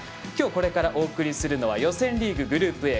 きょう、これからお送りするのは予選リーグ、グループＡ